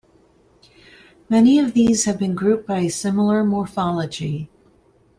Many of these have been grouped by a similar morphology.